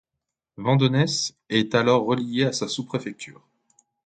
Vandenesse est alors reliée à sa sous-préfecture.